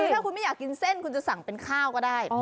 คือถ้าคุณไม่อยากกินเส้นคุณจะสั่งเป็นข้าวก็ได้